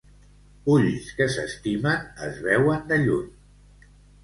Ulls que s'estimen es veuen de lluny.